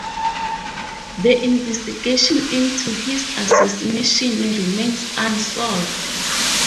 The investigation into his assassination remains unsolved.